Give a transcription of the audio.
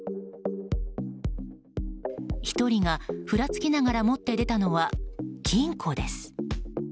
１人がふらつきながら持って出たのは金庫です。